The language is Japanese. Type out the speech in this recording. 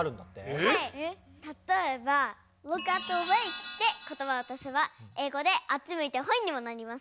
たとえば「Ｌｏｏｋｔｈａｔｗａｙ！」って言ばを足せば英語で「あっちむいてホイ」にもなります。